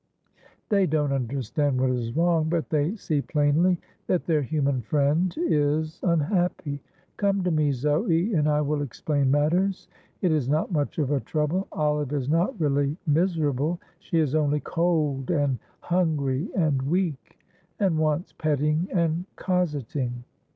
They don't understand what is wrong, but they see plainly that their human friend is unhappy. Come to me, Zoe, and I will explain matters. It is not much of a trouble. Olive is not really miserable; she is only cold and hungry and weak, and wants petting and cosseting."